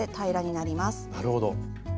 なるほど。